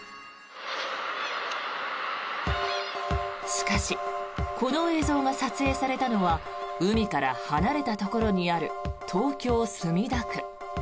しかしこの映像が撮影されたのは海から離れたところにある東京・墨田区。